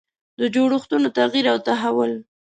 د جوړښتونو تغییر او تحول.